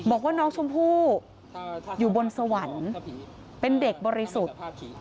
บอกว่าน้องชมพู่อยู่บนสวรรค์เป็นเด็กบริสุทธิ์